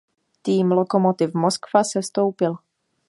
Tým Lokomotiv Moskva sestoupil.